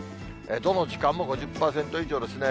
どの時間も５０％以上ですね。